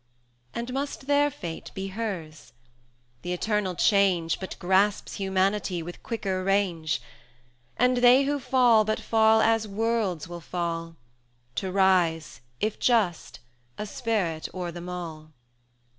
And must their fate be hers? The eternal change But grasps Humanity with quicker range; 160 And they who fall but fall as worlds will fall, To rise, if just, a Spirit o'er them all.